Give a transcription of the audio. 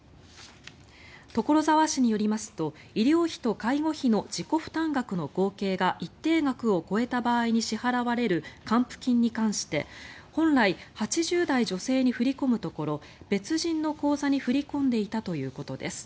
所沢市によりますと医療費と介護費の自己負担額の合計が一定額を超えた場合に支払われる還付金に関して本来、８０代女性に振り込むところ別人の口座に振り込んでいたということです。